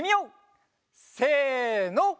せの！